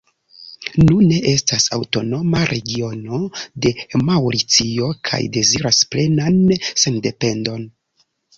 Nune estas aŭtonoma regiono de Maŭricio, kaj deziras plenan sendependon.